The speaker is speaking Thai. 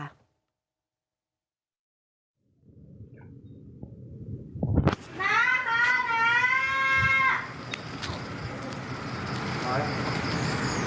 มาค่ะน้า